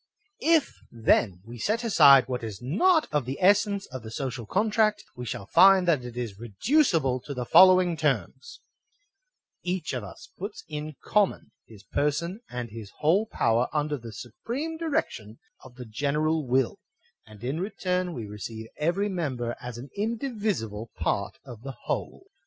If, then, we set aside what is not of the essence of the social contract, we shall find that it is reducible to the following terms: •Each of us puts in common his per son and his whole power under the supreme direction of the general will ; and in return we receive every member as an indivisible part of the whole.